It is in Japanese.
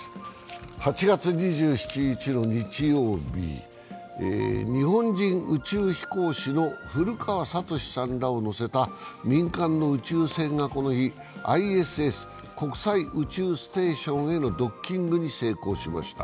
８月２７日の日曜日、日本人宇宙飛行士の古川聡さんらを乗せた民間の宇宙船がこの日、ＩＳＳ＝国際宇宙ステーションへのドッキングに成功しました。